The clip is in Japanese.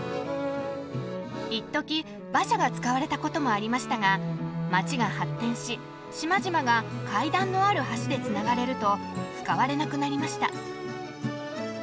いっとき馬車が使われたこともありましたが街が発展し島々が階段のある橋でつながれると使われなくなりました。